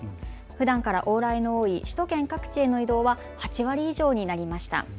ふだんから往来の多い首都圏各地への移動は８割以上になりました。